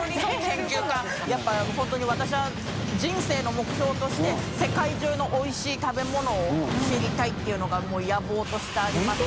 やっぱ本当に私は人生の目標として世界中のおいしい食べ物を知りたいっていうのがもう野望としてありますから。